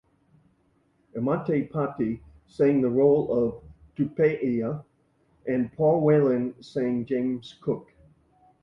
Amitai Pati sang the role of Tupaia and Paul Whelan sang James Cook.